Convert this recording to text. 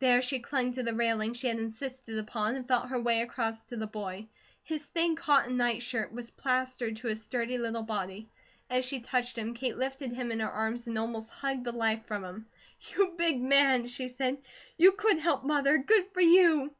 There she clung to the railing she had insisted upon, and felt her way across to the boy. His thin cotton night shirt was plastered to his sturdy little body. As she touched him Kate lifted him in her arms, and almost hugged the life from him. "You big man!" she said. "You could help Mother! Good for you!"